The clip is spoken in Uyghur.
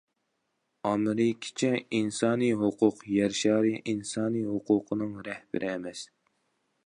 ئامېرىكىچە ئىنسانىي ھوقۇق يەر شارى ئىنسانىي ھوقۇقىنىڭ« رەھبىرى» ئەمەس.